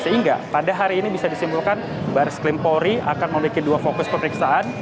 sehingga pada hari ini bisa disimpulkan baris krimpori akan memiliki dua fokus pemeriksaan